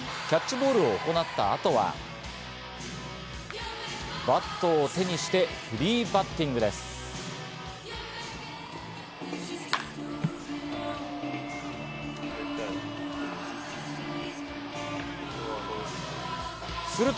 キャッチボールを行った後は、バットを手にしてフリーバッティングです。